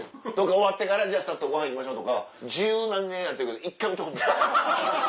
終わってからスタッフとご飯行きましょうとか１０何年やってるけど一回も行ったことない。